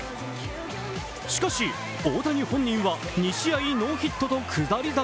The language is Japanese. しかし、大谷本人は２試合ノーヒットと下り坂。